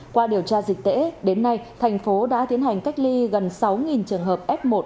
qua điều tra dịch tễ đến nay thành phố đã tiến hành cách ly gần sáu trường hợp f một